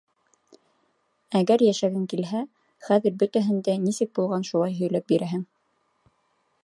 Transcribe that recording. Әгәр йәшәгең килһә, хәҙер бөтәһен дә нисек булған шулай һөйләп бирәһең!